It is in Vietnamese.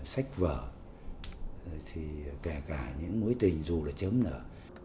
sách vở thì kể cả những mối tình dù là chấm nở